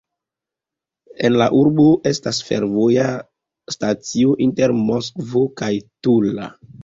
En la urbo estas fervoja stacio inter Moskvo kaj Tula.